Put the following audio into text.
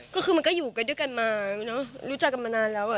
ก็คือมันก็อยู่กันด้วยกันมาเนอะรู้จักกันมานานแล้ว